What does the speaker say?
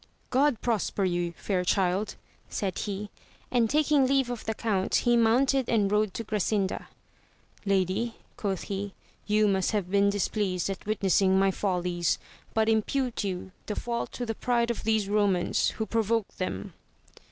God prosper you fair child ! said he, and taking leave of the count, he mounted and rode to Grasinda. Lady, quoth he, you must have been displeased at witnessing my follies, but impute you the fault to the pride of these Eomans who provoked them.